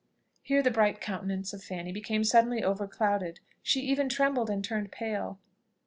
Here the bright countenance of Fanny became suddenly overclouded; she even trembled, and turned pale.